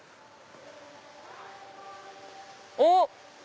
おっ！